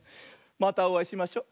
またおあいしましょ。